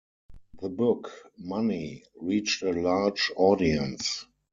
The book "Money" reached a large audience.